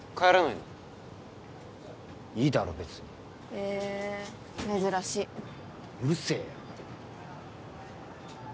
いいだろ別にへえ珍しいうるせえよ